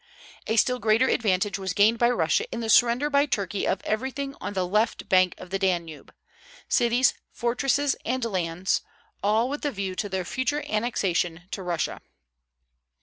A still greater advantage was gained by Russia in the surrender by Turkey of everything on the left bank of the Danube, cities, fortresses, and lands, all with the view to their future annexation to Russia.